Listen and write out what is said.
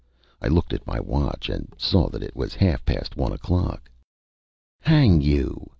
I looked at my watch, and saw that it was half past one o'clock. "Hang you!"